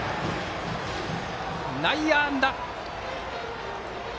内野安打。